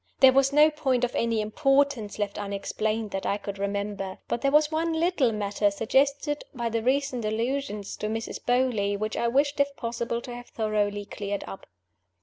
There was no point of any importance left unexplained that I could remember. But there was one little matter (suggested by the recent allusions to Mrs. Beauly) which I wished (if possible) to have thoroughly cleared up.